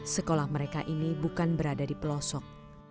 sekolah mereka ini bukan berada di pelosok